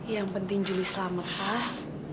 yang penting julie selamat pak